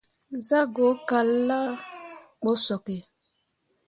Zah go kallahvd̃ǝǝ ɓo sooke.